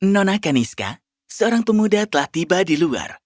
nona kaniska seorang pemuda telah tiba di luar